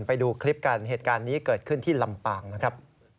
ไปดูคลิปกันเหตุการณ์นี้เกิดขึ้นที่ลำปางนะครับ